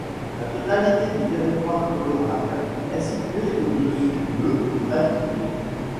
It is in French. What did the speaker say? La totalité du territoire coloradien est situé au-dessus de d'altitude.